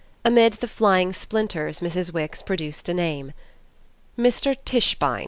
Amid the flying splinters Mrs. Wix produced a name. "Mr. Tischbein."